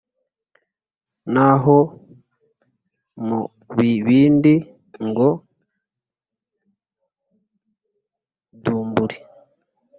naho mu bibindi ngo dumburi